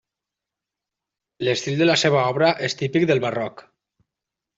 L'estil de la seva obra és típic del barroc.